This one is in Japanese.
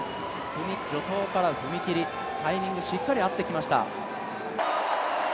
助走から踏み切り、タイミング、しっかり合ってきました。